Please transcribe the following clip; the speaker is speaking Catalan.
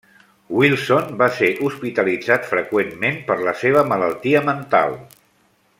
Wilson va ser hospitalitzat freqüentment per la seva malaltia mental.